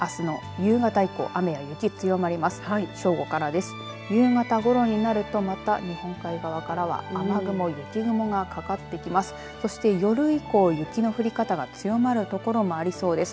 夕方ごろになるとまた日本海側からは雨雲、雪雲がかかってきます。